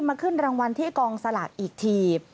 ขึ้นรางวัลที่กองสลากอีกที